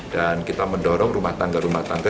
dan kita mendorong rumah tangga rumah tangga